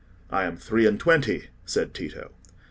"I am three and twenty," said Tito.